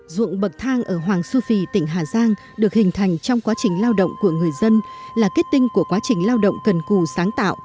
ruộng bậc thang ở hoàng su phi tỉnh hà giang được hình thành trong quá trình lao động của người dân là kết tinh của quá trình lao động cần cù sáng tạo